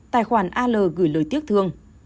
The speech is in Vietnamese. tài khoản al gửi lời tiếc thương